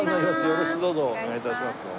よろしくどうぞお願い致します。